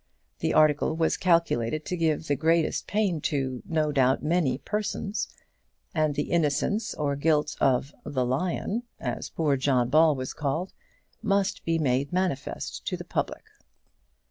The article was calculated to give the greatest pain to, no doubt, many persons; and the innocence or guilt of "the Lion," as poor John Ball was called, must be made manifest to the public.